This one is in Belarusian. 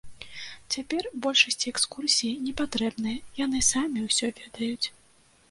Цяпер большасці экскурсіі непатрэбныя, яны самі ўсё ведаюць.